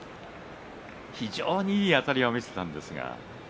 非常にいいあたりを見せたんですが。